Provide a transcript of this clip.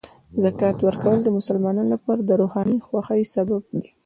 زکات ورکول د مسلمانانو لپاره د روحاني خوښۍ سبب دی.